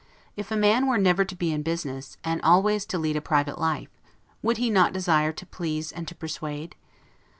If a man were never to be in business, and always to lead a private life, would he not desire to please and to persuade?